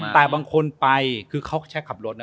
แต่บางคนไปคือเขาแค่ขับรถนะ